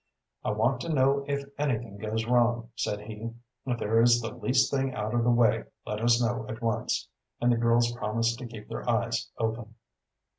"I want to know if anything goes wrong," said he. "If there is the least thing out of the way, let us know at once," and the girls promised to keep their eyes open.